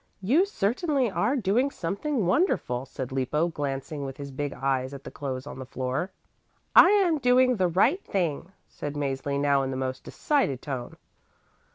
"You certainly are doing something wonderful," said Lippo, glancing with his big eyes at the clothes on the floor. "I am doing the right thing," said Mäzli now in the most decided tone.